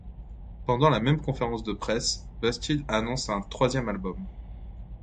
Pendant la même conférence de presse, Busted annonce un troisième album.